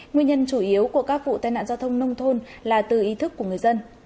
nguyên nhân chủ yếu của các vụ tai nạn giao thông nông thôn là từ ý thức của người dân